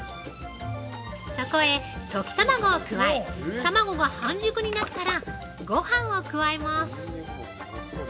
◆そこへ溶き卵を加え、卵が半熟になったらごはんを加えます。